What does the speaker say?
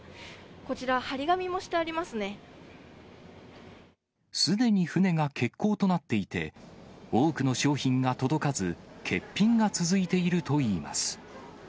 こちら、すでに船が欠航となっていて、多くの商品が届かず、欠品が続いているといいます。